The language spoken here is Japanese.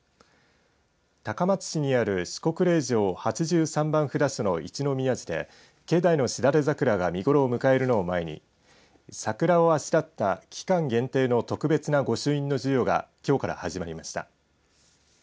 高松市にある四国霊場八十三番札所の一宮寺で境内のしだれ桜が見頃を迎えるのを前に桜をあしらった期間限定の特別な御朱印の授与がきょうから始まりました。